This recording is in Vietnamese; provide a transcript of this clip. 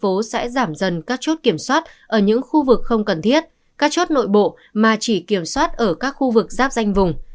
thành phố sẽ giảm dần các chốt kiểm soát ở những khu vực không cần thiết các chốt nội bộ mà chỉ kiểm soát ở các khu vực giáp danh vùng